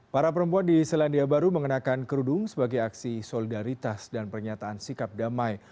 para perempuan di selandia baru mengenakan kerudung sebagai aksi solidaritas dan pernyataan sikap damai